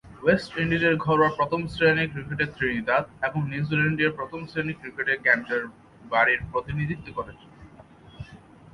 West ইন্ডিজের ঘরোয়া প্রথম-শ্রেণীর ক্রিকেটে ত্রিনিদাদ এবং নিউজিল্যান্ডীয় প্রথম-শ্রেণীর ক্রিকেটে ক্যান্টারবারির প্রতিনিধিত্ব করেছেন।